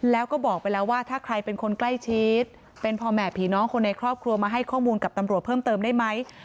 แล้วก็บอกไปแล้วว่าถ้าใครเป็นคนใกล้ชิดเป็นพ่อแม่ผีน้องคนในครอบครัวมาให้ข้อมูลกับตำรวจเพิ่มเติมได้ไหม